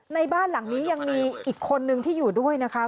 ในบ้านหลังนี้ยังมีอีกคนนึงที่อยู่ด้วยนะคะ